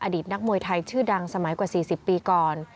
อดีตนักมวยไทยชื่อดังสมัยกว่า๔๐ปีก่อน